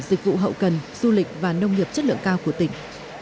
dịch vụ hậu cần du lịch và nông nghiệp chất lượng cao của tỉnh